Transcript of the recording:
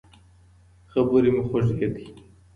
خبرې مو خوږې کړئ.